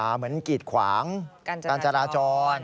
เหมือนกีดขวางกันจราจร